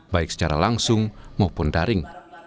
baik secara langsung maupun daring